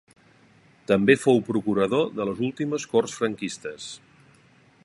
També fou procurador de les últimes Corts franquistes.